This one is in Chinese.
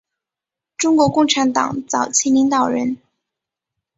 中国共产党早期领导人。